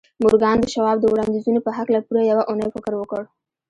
مورګان د شواب د وړانديزونو په هکله پوره يوه اونۍ فکر وکړ.